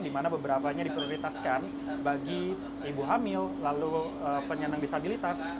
dimana beberapanya diprioritaskan bagi ibu hamil lalu penyenang disabilitas